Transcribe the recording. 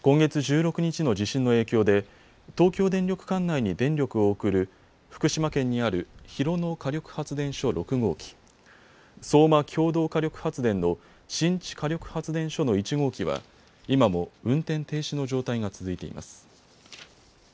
今月１６日の地震の影響で東京電力管内に電力を送る福島県にある広野火力発電所６号機、相馬共同火力発電の新地火力発電所の１号機は今も運転停止の状態が続いています。